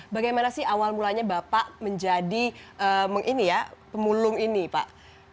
bagaimana sih awal mulanya bapak menjadi pemulung ini pak